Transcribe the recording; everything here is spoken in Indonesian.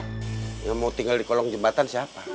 tidak mau tinggal di kolong jembatan siapa